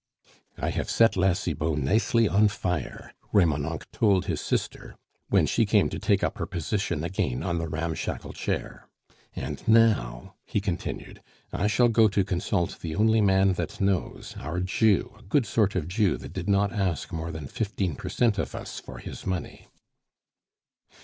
"I have set La Cibot nicely on fire," Remonencq told his sister, when she came to take up her position again on the ramshackle chair. "And now," he continued, "I shall go to consult the only man that knows, our Jew, a good sort of Jew that did not ask more than fifteen per cent of us for his money."